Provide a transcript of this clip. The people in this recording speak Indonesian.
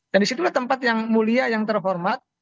dan disitulah tempat yang mulia yang terhormat